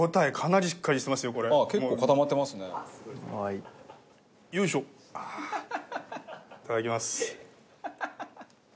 いただきます。